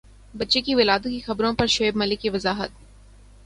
بچے کی ولادت کی خبروں پر شعیب ملک کی وضاحت